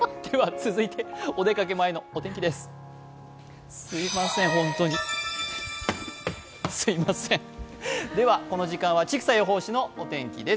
続いて、お出かけ前のお天気です。